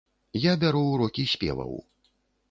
Я бяру ўрокі спеваў.